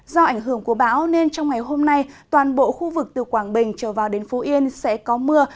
do ảnh hưởng của bão nên trong ngày hôm nay toàn bộ khu vực từ quảng bình trở vào đến phú yên sẽ có mưa